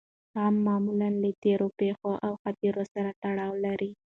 غم معمولاً له تېرو پېښو او خاطرو سره تړاو لري.